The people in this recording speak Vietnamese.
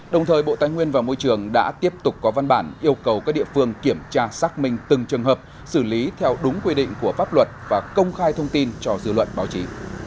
đồng thời bộ tài nguyên và môi trường đã tiếp tục có văn bản yêu cầu các địa phương kiểm tra xác minh từng trường hợp xử lý theo đúng quy định của pháp luật và công khai thông tin cho dư luận báo chí